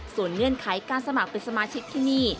ส่วนเงื่อนไขการสมัครเป็นสมาชิกที่นี่